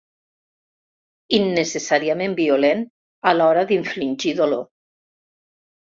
Innecessàriament violent a l'hora d'infligir dolor.